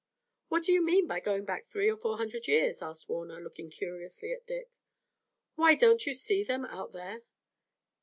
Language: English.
"What do you mean by going back three or four hundred years?" asked Warner, looking curiously at Dick. "Why, don't you see them out there?"